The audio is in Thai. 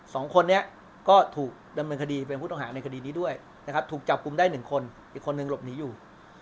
สองคนนี้ก็ถูกดำเนินคดีเป็นผู้ต้องหาในคดีนี้ด้วยนะครับถูกจับกลุ่มได้หนึ่งคนอีกคนนึงหลบหนีอยู่